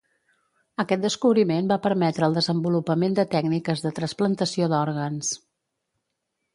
Aquest descobriment va permetre el desenvolupament de tècniques de trasplantació d'òrgans.